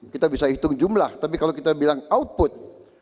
kita bisa hitung jumlah tapi kalau kita bilang output